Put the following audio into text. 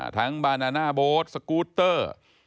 ทั้งบานานาโบสต์สกูตเตอร์